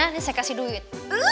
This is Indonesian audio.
ini saya kasih duit